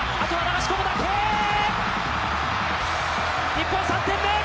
日本、３点目！